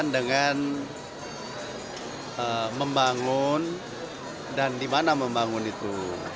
dengan membangun dan di mana membangun itu